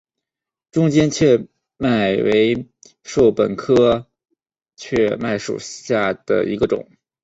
中间雀麦为禾本科雀麦属下的一个种。